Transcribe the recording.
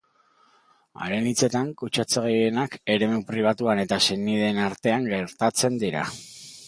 Haren hitzetan, kutsatze gehienak eremu pribatuan eta senideen artean gertatzen dira.